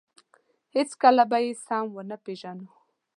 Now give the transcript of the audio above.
هېڅکله به یې سم ونه پېژنو.